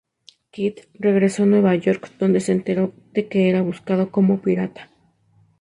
Kidd regresó a Nueva York donde se enteró de que era buscado como pirata.